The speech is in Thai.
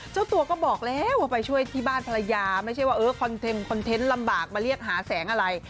เจ้าตัวก็บอกแล้วว่าไปช่วยที่บ้านภรรยาไม่ใช่ว่าเออคอนเทนต์คอนเทนต์ลำบากมาเรียกหาแสงอะไร